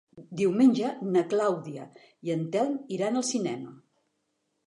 Diumenge na Clàudia i en Telm iran al cinema.